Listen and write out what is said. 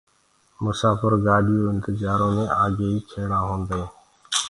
مساڦر گآڏِيو انتجآرو مي آگيئيٚ کيڙآ هونٚدآئينٚ